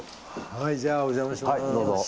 はいじゃあお邪魔します。